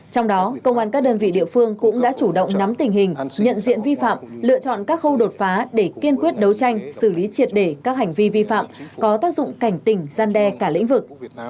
trong đó công an các đơn vị địa phương cũng đã chủ động nắm tình hình nhận diện vi phạm lựa chọn các khâu đột phá để kiên quyết đấu tranh xử lý triệt để các hành vi vi phạm có tác dụng cảnh tỉnh gian đe cả lĩnh vực